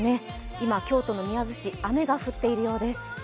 今、京都の宮津市、雨が降っているようです。